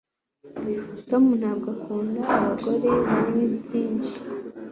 Tom ntabwo akunda abagore banywa byinshi